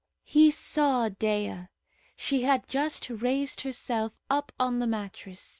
He saw Dea. She had just raised herself up on the mattress.